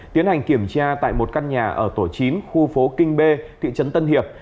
tiến hành kiểm tra tại một căn nhà ở tổ chín khu phố kinh b thị trấn tân hiệp